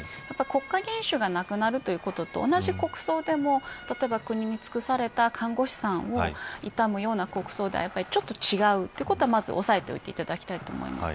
国家元首がなくなるということと同じ国葬でも例えば国に尽くされた看護師さんを悼むような国葬とはちょっと違うということはまず押さえておいていただきたいと思います。